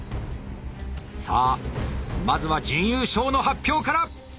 さあまずは準優勝の発表から！